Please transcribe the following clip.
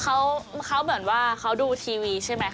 เขาเหมือนว่าเขาดูทีวีใช่ไหมค